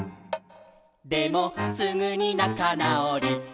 「でもすぐに仲なおり」